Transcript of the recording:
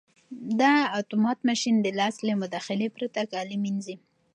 دا اتومات ماشین د لاس له مداخلې پرته کالي مینځي.